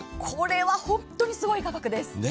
これは本当にすごい価格です。